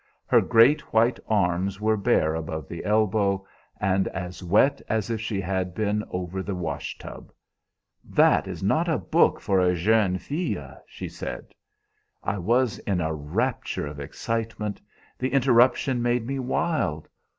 Her great white arms were bare above the elbow, and as wet as if she had been over the wash tub. "'That is not a book for a jeune fille,' she said. "I was in a rapture of excitement; the interruption made me wild.